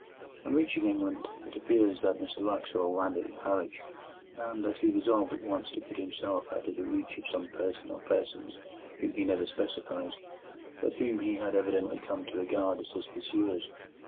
On reaching England, it appears that Mr Wraxall landed at Harwich, and that he resolved at once to put himself out of the reach of some person or persons whom he never specifies, but whom he had evidently come to regard as his pursuers.